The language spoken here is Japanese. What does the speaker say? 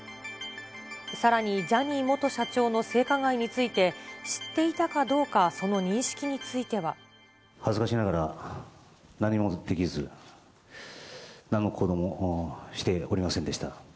さらにジャニー元社長の性加害について、知っていたかどうか、恥ずかしながら、何もできず、なんの行動もしておりませんでした。